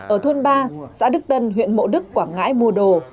ở thôn ba xã đức tân huyện mộ đức quảng ngãi mua đồ